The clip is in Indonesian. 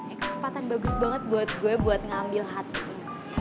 ini kesempatan bagus banget buat gue buat ngambil hati